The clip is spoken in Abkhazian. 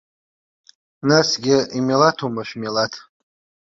Насгьы имилаҭума шәмилаҭ?